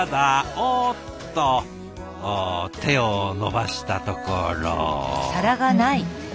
おっと手を伸ばしたところ。